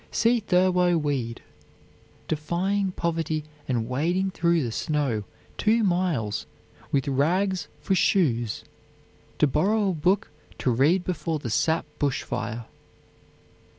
See Thurlow Weed, defying poverty and wading through the snow two miles, with rags for shoes, to borrow a book to read before the sap bush fire.